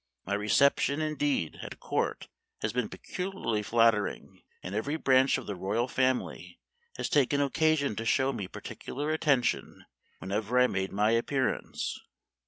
My reception, indeed, at Court has been peculiarly flat tering, and every branch of the royal family has taken occasion to show me particular attention whenever I made my appearance."